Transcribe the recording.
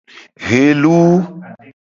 Helu.